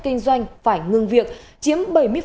kinh doanh phải ngừng việc chiếm